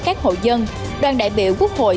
các hộ dân đoàn đại biểu quốc hội